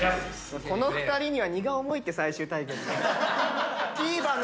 この２人には荷が重いって最終対決。